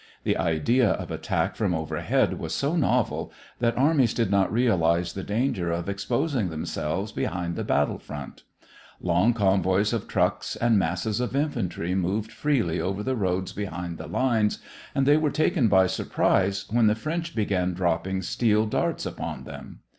The idea of attack from overhead was so novel that armies did not realize the danger of exposing themselves behind the battle front. Long convoys of trucks and masses of infantry moved freely over the roads behind the lines and they were taken by surprise when the French began dropping steel darts upon them.